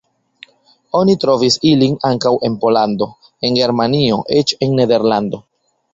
Oni trovis ilin ankaŭ en Pollando, en Germanio, eĉ en Nederlando.